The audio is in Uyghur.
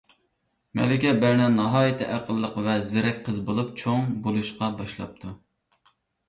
مەلىكە بەرنا ناھايىتى ئەقىللىق ۋە زېرەك قىز بولۇپ چوڭ بولۇشقا باشلاپتۇ.